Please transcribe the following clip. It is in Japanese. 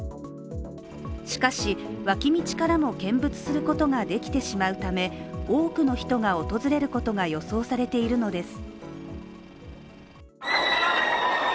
しかし、脇道からも見物することができてしまうため多くの人が訪れることが予想されているのです